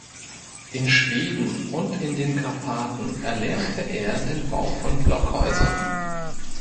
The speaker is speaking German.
In Schweden und in den Karpaten erlernte er den Bau von Blockhäusern.